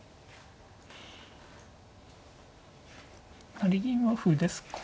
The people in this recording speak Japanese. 成銀は歩ですか。